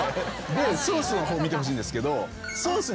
ソースの方見てほしいんですけど。